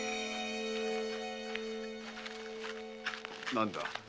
何だ？